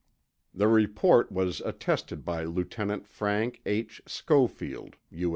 The report was attested by Lieutenant Frank H. Schofield, U.